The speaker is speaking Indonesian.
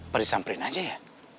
peri samprin aja ya